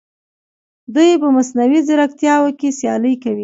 دوی په مصنوعي ځیرکتیا کې سیالي کوي.